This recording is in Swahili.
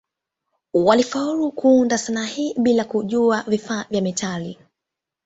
Walifaulu kuunda sanaa hii bila kujua vifaa vya metali.